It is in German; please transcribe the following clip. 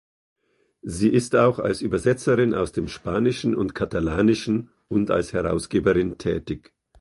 Sie ist auch als Übersetzerin aus dem Spanischen und Katalanischen und als Herausgeberin tätig.